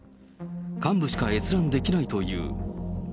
幹部しか閲覧できないという。